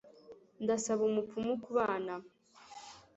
ndasaba umupfumu kubana